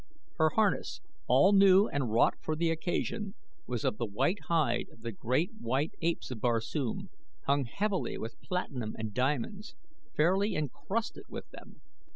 Her harness, all new and wrought for the occasion was of the white hide of the great white apes of Barsoom, hung heavily with platinum and diamonds fairly encrusted with them.